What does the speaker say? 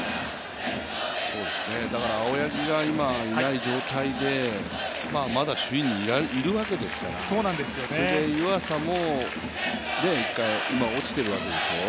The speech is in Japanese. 青柳が今いない状態でまだ首位にいるわけですから、それで湯浅も今、落ちているわけでしょう？